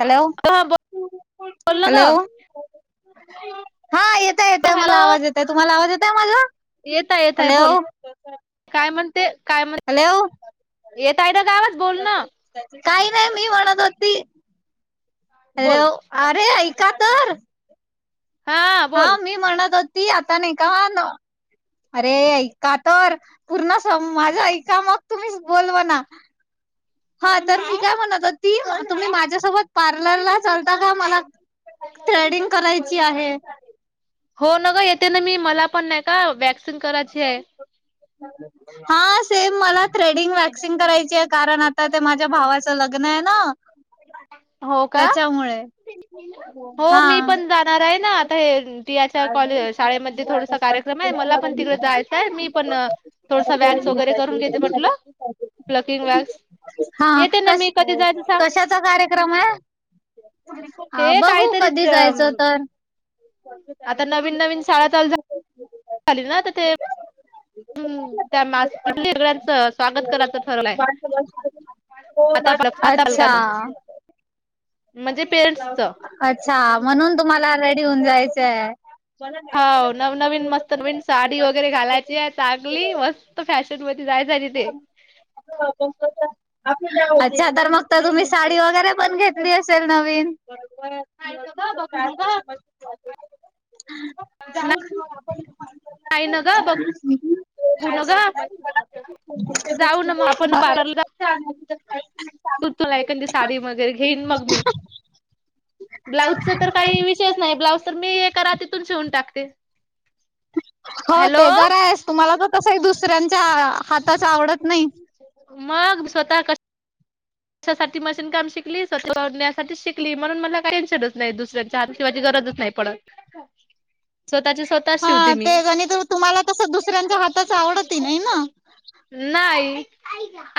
Hello हा बोल ना ग हॅलो हा येतय येतय मला हॅलो आवाज येतय तुम्हाला आवाज येतय माझा येत आहे येत आहे बोल हॅलो काय म्हणते काय म्हण हॅलो येत आहे ना गावच बोल ना काही नाही मी म्हणत होती हॅलो बोल अरे ऐका तर हा मी म्हणत होती आता नाही का ह अरे ऐका तर पूर्ण स माझं ऐका मग तुम्हीच बोलव ना हा तर ती काय म्हणत ती तुम्ही माझ्यासोबत पार्लरला चालता का मला थ्रेडिंग करायची आहे हो न ग येते ना मी मला पण नाही का वॅक्सिन करायची आहे हा सेम मला थ्रेडिंग वॅक्सिंग करायची आहे कारण आता ते माझ्या भावाचं लग्न आहे ना [inaudible] हो का त्याच्यामुळे हो हा मी पण जाणार आहे ना आता शाळेमध्ये थोड कार्यक्रम आहे मला पण त जायचंय मी पण थोड वॅटस वगैरे करून घेते म्हटलं प्लकिंग वॅक्स हा येते ना कश मी कधी जायच सांग कशाचा कार्यक्रम आहे हे बघू काहीतरी कधी जायच तर आता नवीन नवीन शाळा चालू झा ना त ते हम्म त्याथ सगळ्यांचं स्वागत करायचं ठरलंय आता आताल का अच्छा. ना अच्छा म्हणून तुम्हाला रेडी होऊन जायचंय हो नवनवीन मस्त नवीन साडी वगैरे घालायची आहे चांगली मस्त फॅशनमध्ये झा ते अच्छा तर मग तर तुम्ही साडी वगैरे पण घेतली असेल नवीन दोका का जा नाही न ग बघू न ग म [inaudible] जाऊ ना मग आपण पार्लरला गष्ट तू तुलायकण ती साडी वगैरे घेईन मग मी ब्लाऊजचा तर काही विषयच नाही ब्लाऊज तर मी एका रातीतून शिवून टाकते हो हॅलो ते जरा आहेस तुम्हाला तर तस एक दुसऱ्यांच्या हाताच आवडत नाही मग ब स्वतः क त्याशाठी मशीन काम शिकली सवण्यासाठी शिकली म्हणून मला काही टेन्शनच नाही दुसऱ्यांच्यािवा गरज नाही पडत स्वतःची स्वतः [inaudible] हा शिवते मी. ते गणित तुम्हाला तस दुसऱ्यांच्या हाताच आवडत नाही ना नाही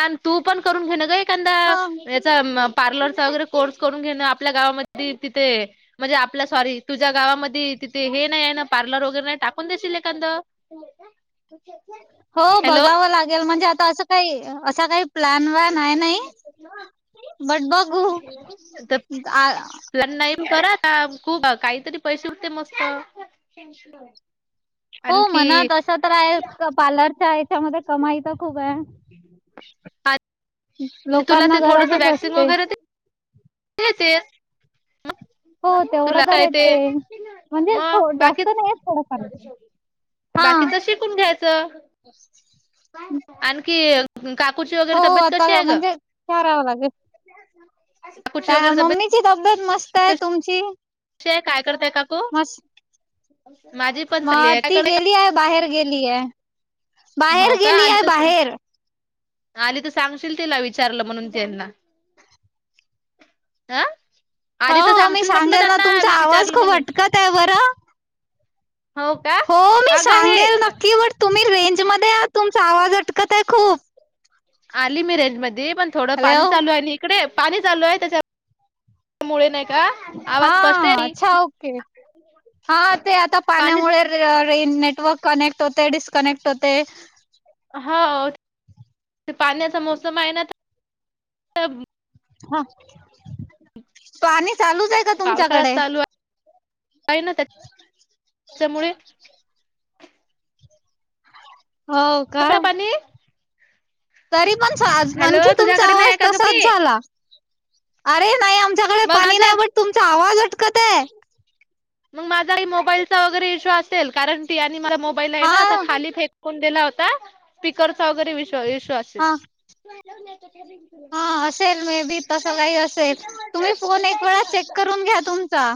आणि तू पण करून घेण ग एखदाा हा. याचा पार्लरचा वगैरे कोर्स करून घेण आपल्या गावामध्ये तिथे म्हणजे आपल्या सॉरी तुझ्या गावामध्ये तिथे हे नाही आहे ना पार्लर वगैरे नाही टाकून देशील एखंद हो बघावं लागेल म्हणजे आता असं काही असं काही प्लन वान आहे नाही बट तर बघू आ प्लॅन नाही करा खूप काहीतरी पैसे उठते मस्त हो आणखी म्हणत असं तर आहे पार्लरच्या याच्यामध्ये कमाई तर क का आणि तुला ते थोडस वॅक्सिंग असते वगैरे ह हो तेवढं तुला तर काय ते येते. म्हणजे मग जास्त बाकीच नाही थोडं करायचं हा बाकीच शिकून घ्यायचं आणखी काकूची हो वगैरे तब्येत कशी आता आहे ग? म्हणजे च राहावं लागेल काकूची का वगैरे तब्येत मम्मीची तब्येत मस्त आहे तुमची ते काय करताय काकू मस्त माझी पण चांगली आहे मग काय ती करताय गेली आहे बाहेर गेलीय हो बाहेर का आली गेलीय तर बाहेर आली तर सांगशील तिला विचारलं म्हणून त्यांना हं हो आधी तर हो मी सांगशील म्हटलं सांगेल ना त्यांना तुमचा मी आवाज विचारलं खूप म्हणून अटकत आहे बरं हो का अग हे त्या मध्ये तुमचा आवाज अटकत आहे खूप आली मी रेंट मध्ये पण थोडं पाणी हॅलो चालू आहे इकडे पाणी चालू आहे त्याच्यामुळे नाही का हा आवाज स्पष्ट आहे अच्छा ओके हा ते आता पाणी पाण्यामुळे रे अ न नेटवर्क कनेक्ट होते डिस्कनेक्ट होते हो पाण्याचा मोसम आहे ना हा पाणी चालूच आहे का तुमच्याकडे का ना त्या त्याच्यामुळे हो काय सगळं पाणी तरी पण हॅलो आणखी तुमचा तुझ्याकडे नाही आहे आवाज का ग तसाच पाणी झाला अरे नाही तुमच्याकडे मग पाणी माझा नाही बट तुमचा आवाज अटकत आहे मग माझा ही मोबाईलचा वगैरे इशू असेल कारण त्या नी मला मोबाइल आहे हा ना खाली फेकून दिला होता स्पीकर चा वगैरे इश्शु असेल हा. हा असेल मेबी तस काही असेल तुम्ही फोन एक वेळा चेक करून घ्या तुम चा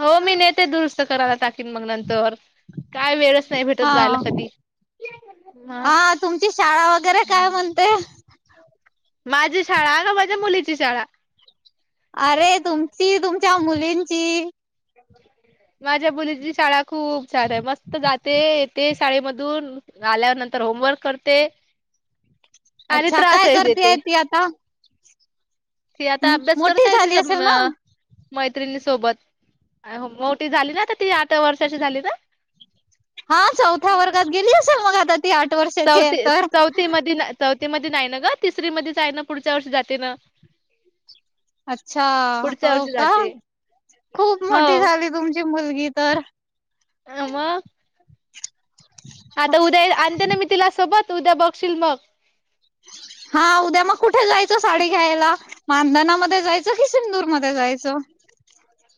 हो मी नेते दुरुस्त करायला टाकीन मग नंतर काय वेळच नाही भेटत जाायला हा कधी म हा तुमची शाळा वगैरे काय म्हणते माझी शाळा का माझ्या मुलीची शाळा अरे तुमची तुमच्या मुलींची माझ्या मुलीची शाळा खूप छान आहे मस्त जाते ते शाळेमधून आल्या नंतर होमवर्क करते आणि अच्छा काय त्रासही करतेय देते ती आता? ते आता अभ्यास मोठी करताय झाली तिजा असेल ना? मं मैत्रिणी सोबत मोठी झाली ना आता ती आठ वर्षाची झाली ना हा चौथ्या वर्गात गेली असल मग आत चौथी चौथी मधी ना चौथ मधि नाय न ग तिसरी मध्येच आहे ना पुढच्या वर्षी जाते न. अच्छा हो का खूप मोठी हो झाली तुम ची मुलगी तर अ म आता उद्या आणते ना मी तिला सोबत उद्या बघशील मग [inaudible] हा उद्या मग कुठे जायचं साडी घ्यायला मांधनामध्ये जायचं की सिंदूरमध्ये जायचं. [inaudible]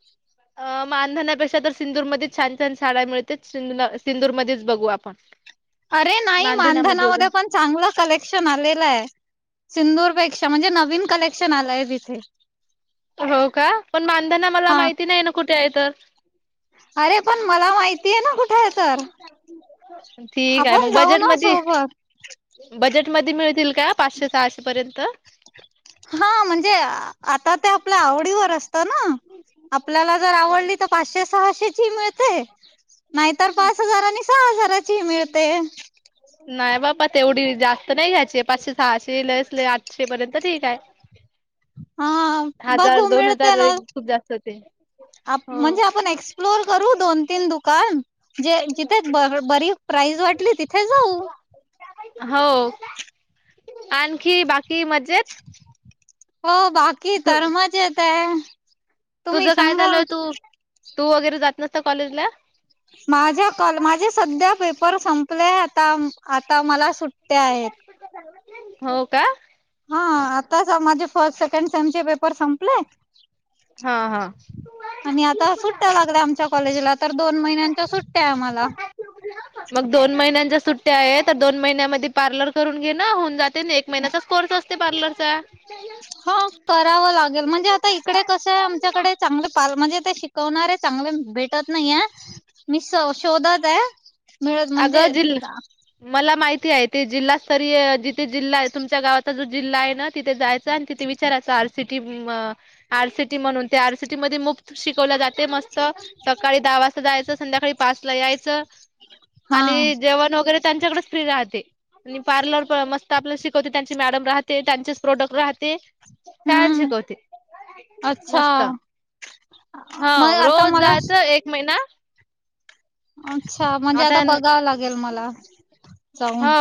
अ मानधनापेक्षा तर सिंदूरमध्येच छान छान साड्या मिळतेत सिंदू सिंदूरमध्येच बघू आपण. अरे नाही मानधनामध्ये पण चांगलं कलेक्शन आलेलं आहे. सिंदूरपेक्षा म्हणजे नवीन कलेक्शन आलय तिथे. हो का पण मांधणा मला हा माहिती नाही ना कुठे आहे तर अरे पण मला माहिती ये ना कुठे ये तर ठीक आहे आपण मग जाऊ ना. बजेटमध्ये सोबत बजेटमध्ये मिळतील. का पाचशे सहाशे पर्यंत हा म्हणजे आता त्या आपल्या आवडीवर असत ना आपल्याला जर आवडली तर पाचशे सहाशे ची मि ळते नाहीतर पाच हजार आणि सहा हजाराची ही मिळते. प तेवढी जास्त नाय घ्यायची पाचशे सहाशे लयच लय आठशे पर्यंत ठीक आहे. हा हजार बघू दोन हजार एक खूप जास्त होते. आप हो म्हणजे आपण एक्सप्लोर करू दोन तीन दुकान जे जिथे ब बरी प्राईज वाटली तिथे जाऊ. हो आणखी बाकी मज्जेत हो बाकी तर मजेत ये. तुझं काय चालूय तू तू वगैरे जात नसत कॉलेज ला माझ्या कल माझे सध्या पेपर संपले आता आता मला सु ट्या आहेत. हो का हा आताच माझे फर्स्ट सेकंड टर्म चे पेपर संपले. हा हा आणि आता सुट्ट्या लागल्या आमच्या कॉलेजला तर दोन महिन्यांच्या सुट्ट्या य आम्हाला मग दोन महिण्यात ट्या आहे आता दोन महिन्यामध्ये पार्लर करून घे ना होऊन जाते ना एक महिनचाच कोर्स असते पार्लर. हा करावं लागेल म्हणजे आता इकडे कसंय च्याकडे चांगले पाल म्हणजे ते शिकवणारे चांगले भेटत नाही ये मी सो शोधतये. अगं जिल मला माहिती आहे ते जिल्हास्तरीय जिथे जिल्हा आहे तुमच्या गावात तो जो जिल्हा आहे ना तिथे जायचा आणि तिथे विचारायच आर सि टी मं आर सि टी म्हणून त्या आर सिटी मध्ये मुक्त शिकवलं जाते मस्त सकाळी दहा वाजता जायचं संध्याकाळी पाच ला यायचं. हा आणि जेवण वगैरे त्यांच्याकडेच फ्री राहते आणि पार्लर मस्त आपला शिकवते त्यांचे मॅडम राहते त्यांचेच प्रोडक्ट राह हा ते छान हम्म शिकवते. अच्छा मस्त हा मग आता रोज मला जायचं एक महिना अच्छा म्हणजे आता बघावं लागेल मला हो जाऊन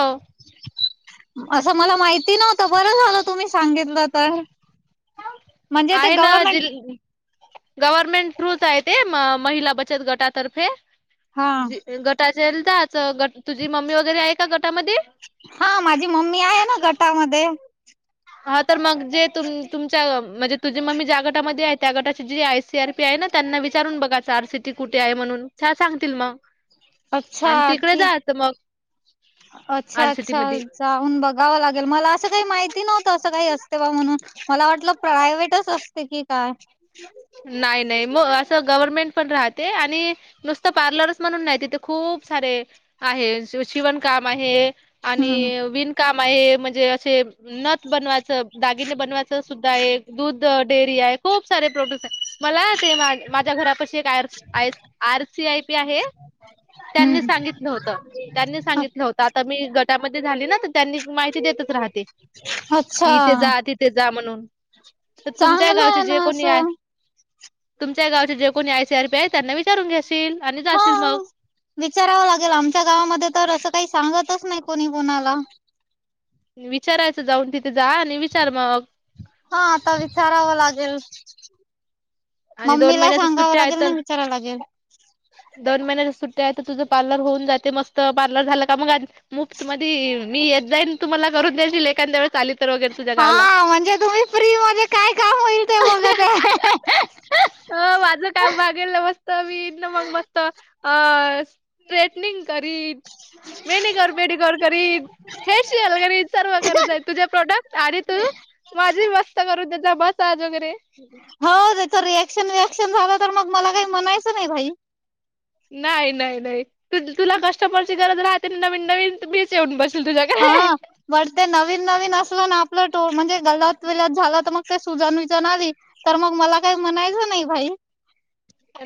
असं मला माहिती नव्हतं बरं झालं तुम्ही सांगितलं तर. म्हणजे ते आयन गव्हर्मेंट जिल. गव्हर्नमेंट थ्रूच आहे ते महिला बचत गटातर्फे. हा गटाचेलदाच गट तुझी मम्मी वगैरे आहे का गटामध्ये. हा माझी मम्मी आहे ना गटामध्ये. हा तर मग जे तुम तुमच्या म्हणजे. तुझे मग मी ज्या गटामध्ये आहे त्या गटाची जी आय सी आर पी आहे ना त्यांना विचारून बघा च आर सीटी कुठे आहे म्हणून. सांगतील मग. अच्छा आणि तिकडे ठीक. जायचं मग अच्छा आरसीटी अच्छा मध्ये जाऊन बघावं लागेल मला असं काही माहिती नव्हतं असं काही असते बा म्हणून. मला वाटलं प्रायव्टच असते की काय. नाही नाही मग असं गव्हर्मेंट. पण राहते आणि नुसत पार्लरच म्हणून नाही तिथे खूप सारे. आहे शिवणकाम आहे हम्म. आणि विणकाम आहे. म्हणजे असे नथ बनवायचं दागिने बनवायच सुद्धा एक दूध डेअरी आहे खूप. से प्रोडक्ट मला माझ्यारा. आर सी आय पी आहे. त्यांनी हम्म सांगितलं होत त्यांनी सांगितलं होत आता मी गटामध्ये झाली ना तर त्यांनी माहिती देत. राहते अच्छा की इथे जा तिथे जा म्हणून तर तुमच्या चांगलं गावचे आहे जे ना कोणी आहे असं. तुमच्या गावचे जे कोणी आय सीआर पी आहे त्यांना विचारून घ्यास. हा विचाराव लागेल आमच्या गावामध्ये तर अस. काही सांगतच नाही कोणी कोणाला. विचारायचं जाऊन तिथे. जा आणि विचार मग हा आता विचारावं लागेल. आणि दोन मम्मीला महिन्याच्या सांगावं सुट्ट्या आहेत लागेल तर ना विचारावं लागेल. दोन महिन्याच्या सुट्ट्या तुझं पार्लर होऊन जाते मस्त पार्लर झाला का मग मुफ मध्ये मी. जाईन तुम्हाला करून देतील एखाद्या वेळेस. आली तर वगैरे तुझ्या गावला. हा म्हणजे तुम्ही फ्री मध्ये काय काम होईल ते बघत. अ माझ काम भागेल मस्त मी ना मग मस्त अ. स्ट्रेटनिंग करीन. मॅनिक्युअर पेडिक्युअर करीन, फेशीयल करीन सर्व करत जाईन तुझे प्रोडक्ट आहे तू. माझी व्यवस्था करू त्याचा बसाज वगैरे. हो त्याच रिएक्शन विएक्शन झालं तर मग मला काही म्हणायचं नाही भाई. नाही नाही नाही त तुला कस्टमरची गरज राहते नवीन नवीन बीच येऊन बस. हा वरते नवीन नवीन अस. ना आपलं ट म्हणजे गलात विलात झाला तर मग ते सुजान विजान आली. तर मग मला काही म्हणायचं नाही भाई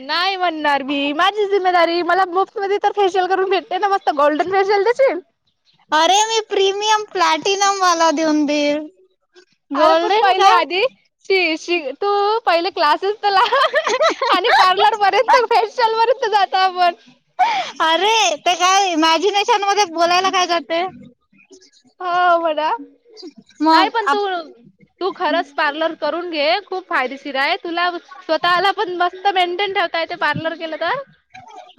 नाही म्हणणार मी माझी जिमेदारी मला बक्स मध्ये तर खे भेते ना मस्त गोल्डन फेशल त्या अरे मी प्रीमियम प्लॅटिनम वाला देऊन बेल अरे पण पहिले आधी श श तू पहिलं क्लासेस तर आणि पार्लरपर्यंत फेलर्यंत जात आपण अरे ते काय इमॅजिनेशन मध्ये बोलायला काय जात. नाय पण तु तू खरंच पार्लर करून घे खूप फायदेशीर आहे तुला स्वतःला पण मस्त मेंटेन ठाक.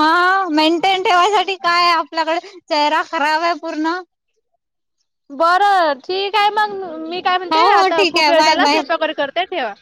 हा मेंटेन ठेवायसाठी काय? आपल्याकडे चेहरा खराब आहे पूर्ण. बरं ठीक आहे मग मी काय हो म्हणते हो आता ठीक खूप आहे वेळ बाय झाला बाय स्वयंपाक करते ठेवा.